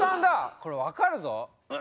これ分かるぞ！